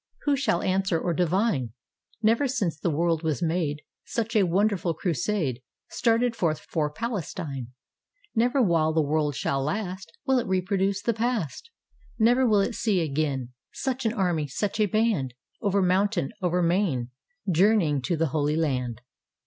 Who shall answer or divine? Never since the world was made Such a wonderful crusade Started forth for Palestine. Never while the world shall last Will it reproduce the past; Nevfer will it see again Such an army, such a band. Over mountain, over main, Journeying to the Holy Land.